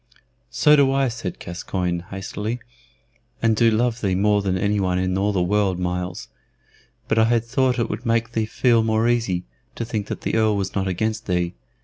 "So I do," said Gascoyne, hastily, "and do love thee more than any one in all the world, Myles; but I had thought that it would make thee feel more easy, to think that the Earl was not against thee.